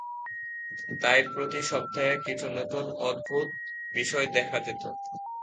তাই, প্রতি সপ্তাহে কিছু নতুন অদ্ভুত বিষয় দেখা যেত।